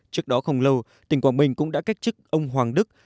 trước đó không lâu tình quả mình cũng đã cách chức ông hoàng đức